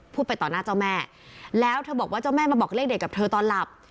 ไปต่อหน้าเจ้าแม่แล้วเธอบอกว่าเจ้าแม่มาบอกเลขเด็ดกับเธอตอนหลับ